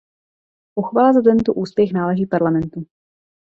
Pochvala za tento úspěch náleží Parlamentu.